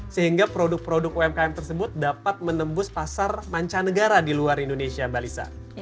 sehingga produk produk umkm tersebut dapat menembus pasar mancanegara di luar indonesia mbak lisa